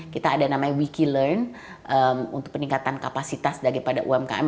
kita ada namanya wikilearn untuk peningkatan kapasitas daripada umkm